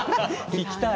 聞きたい。